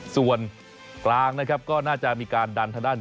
ส่วนกลางก็น่าจะมีการดันทะดั้น